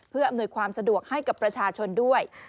เพื่ออำนวยความสะดวกให้กับประชาชนด้วย